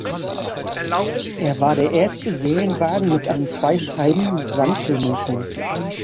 Er war der erste Serienwagen mit einem Zweischeiben-Wankelmotor.